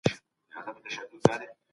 د غريبانو مرسته د ايمان نښه ده.